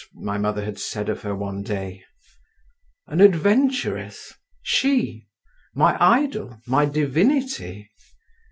my mother had said of her one day. An adventuress—she, my idol, my divinity?